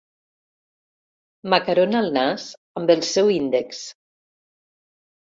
M'acarona el nas amb el seu índex.